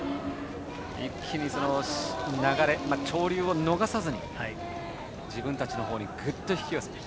一気に流れ潮流を逃さずに自分たちのほうにぐっと引き寄せて。